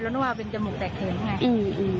นึกว่าเป็นจมูกแตกเขินใช่ไหม